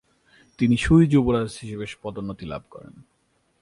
তিনি সুই যুবরাজ হিসেবে পদোন্নতি লাভ করেন।